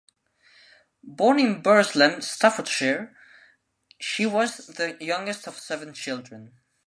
Born in Burslem, Staffordshire, she was the youngest of seven children.